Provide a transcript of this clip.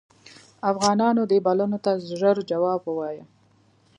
افغانانو دې بلنو ته ژر جواب ووایه.